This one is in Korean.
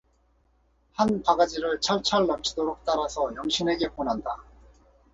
한 바가지를 철철 넘치도록 따라서 영신에게 권한다.